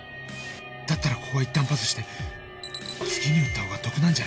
だったらここはいったんパスして次に撃った方が得なんじゃないか？